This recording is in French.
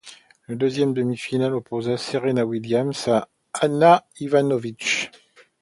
La deuxième demi-finale oppose Serena Williams à Ana Ivanović.